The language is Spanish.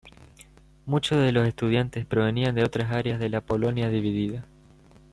Muchos de los estudiantes provenían de otras áreas de la Polonia dividida.